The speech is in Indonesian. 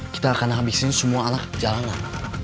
kita akan habisin semua alat jalanan